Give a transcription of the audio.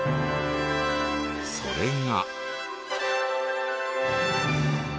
それが。